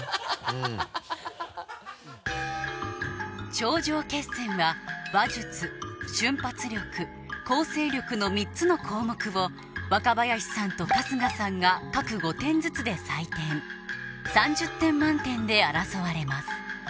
頂上決戦は話術瞬発力構成力の３つの項目を若林さんと春日さんが各５点ずつで採点３０点満点で争われます